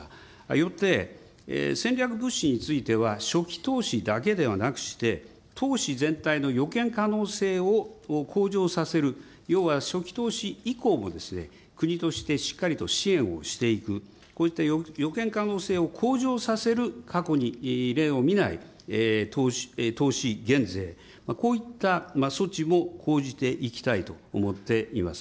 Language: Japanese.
よって、戦略物資については、初期投資だけではなくして、投資全体の予見可能性を向上させる、要は初期投資以降も国としてしっかりと支援をしていく、こうした予見可能性を向上させる過去に例を見ない投資減税、こういった措置も講じていきたいと思っています。